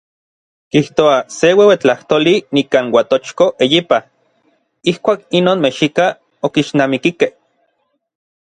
Kijtoa se ueuetlajtoli nikan Uatochko eyipa, ijkuak inon mexikaj okixnamikikej.